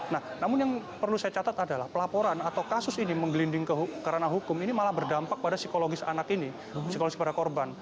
nah namun yang perlu saya catat adalah pelaporan atau kasus ini menggelinding karena hukum ini malah berdampak pada psikologis anak ini psikologis pada korban